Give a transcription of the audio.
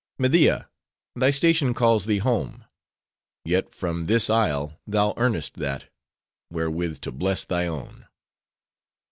"Media! thy station calls thee home. Yet from this isle, thou earnest that, wherewith to bless thy own.